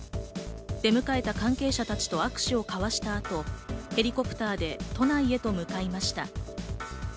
出迎えた関係者たちと握手を交わした後、ヘリコプターで都内へと向かいました。